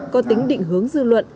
có tính định hướng dư luận